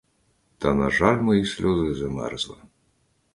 Та, на жаль, мої сльози замерзли.